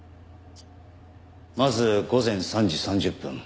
まず午前３時３０分